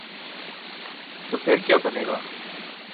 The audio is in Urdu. تو پھر کیابنے گا؟